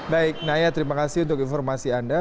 baik naya terima kasih untuk informasi anda